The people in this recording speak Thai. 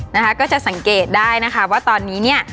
นะคะก็จะสังเกตได้นะคะว่าตอนนี้เนี่ย